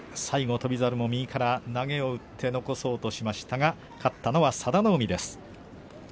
最後、翔猿も右から投げを打って残そうとしましたが勝ったのは佐田の海です。